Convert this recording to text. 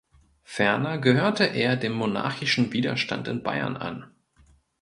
Ferner gehörte er dem monarchischen Widerstand in Bayern an.